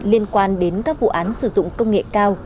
liên quan đến các vụ án sử dụng công nghệ cao